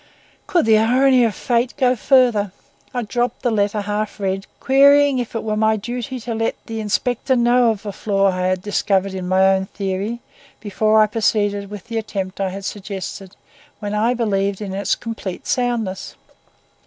Could the irony of fate go further! I dropped the letter half read, querying if it were my duty to let the inspector know of the flaw I had discovered in my own theory, before I proceeded with the attempt I had suggested when I believed in its complete soundness.